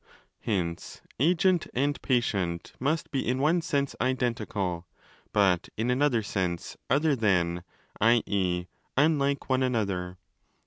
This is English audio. Hence agent and patient must be in one sense identical, but in another sense other 5 than (i.e. 'unlike') one another.